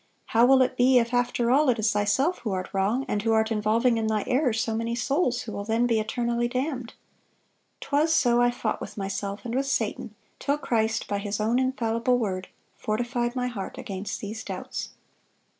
How will it be, if, after all, it is thyself who art wrong, and who art involving in thy error so many souls, who will then be eternally damned?' 'Twas so I fought with myself and with Satan, till Christ, by His own infallible word, fortified my heart against these doubts."